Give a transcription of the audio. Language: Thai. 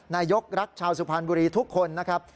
นายกรักชาวสุพรรณบุรีทุกคนนะครับ